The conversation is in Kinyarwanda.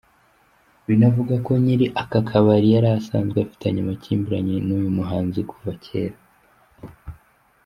Binavugwa ko nyir’akabari yari asanzwe afitanye amakimbirane n’uyu muhanzi kuva cyera.